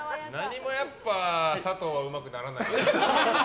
やっぱ、何も佐藤はうまくならないな。